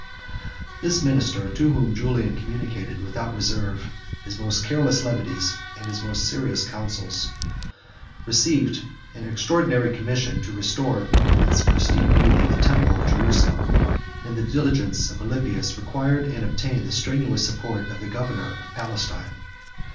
This minister, to whom Julian communicated, without reserve, his most careless levities, and his most serious counsels, received an extraordinary commission to restore, in its pristine beauty, the temple of Jerusalem; and the diligence of Alypius required and obtained the strenuous support of the governor of Palestine.